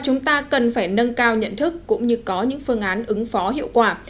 chúng ta cần phải nâng cao nhận thức cũng như có những phương án ứng phó hiệu quả